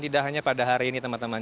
tidak hanya pada hari ini teman teman